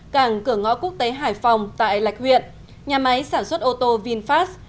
cảng cửa ngõ quốc tế hải phòng tại lạch huyện nhà máy sản xuất ô tô vinfast